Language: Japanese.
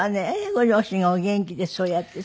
ご両親がお元気でそうやってさ。